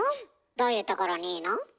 どういうところにいいの？